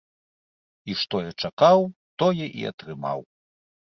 І што я чакаў, тое і атрымаў.